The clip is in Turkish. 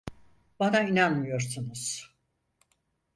Bana inanmıyorsunuz.